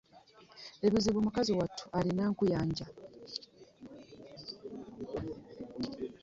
Ebizibu mukazi wattu alina nkuyanja .